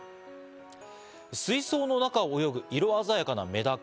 水槽の中を泳ぐ色鮮やかなメダカ。